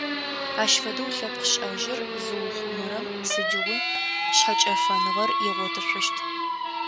Ащ фэдэу лъэпкъ шӏэжьыр зыухъумэрэм сыдигъуи шъхьэкӏэфэныгъэр игъотышъущт.